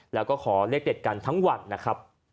แล้วก็ขอเลขเด็ดกันทั้งวันนะครับ